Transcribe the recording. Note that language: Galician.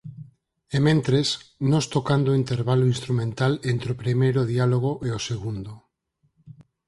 E mentres, nós tocando o intervalo instrumental entre o primeiro diálogo e o segundo.